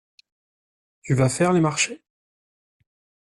Tu vas faire les marchés?